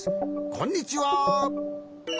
こんにちは。